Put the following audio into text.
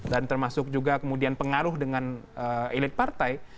dan termasuk juga kemudian pengaruh dengan elit partai